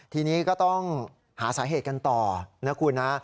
ทีนี้ก็ต้องหาสาเหตุกันต่อนะคุณนะ